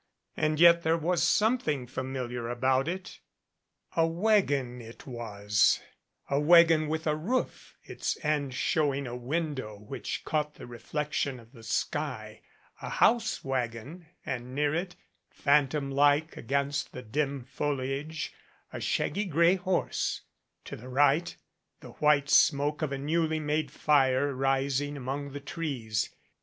And yet there was something familiar about it. A wagon it was a 191 MADCAP wagon with a roof, its end showing a window which caught the reflection of the sky a house wagon, and near it, phantom like against the dim foliage, a shaggy gray horse; to the right, the white smoke of a newly made fire rising among the trees.